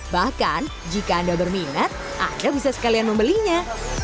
bahkan jika anda berminat anda bisa sekalian membelinya